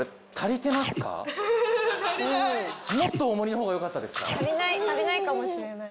もっと大盛りの方がよかったですか？